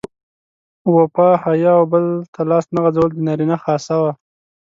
وفا، حیا او بل ته لاس نه غځول د نارینه خاصه وه.